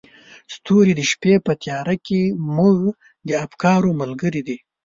ستوري د شپې په تیاره کې زموږ د افکارو ملګري دي.